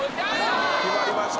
決まりました